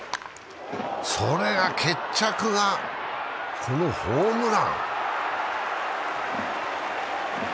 それが決着が、このホームラン。